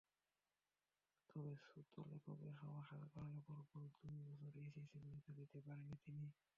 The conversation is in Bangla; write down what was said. তবে শ্রুতলেখকের সমস্যার কারণে পরপর দুই বছর এইচএসসি পরীক্ষা দিতে পারেননি তিনি।